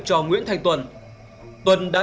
cho nguyễn thành tuần tuần đã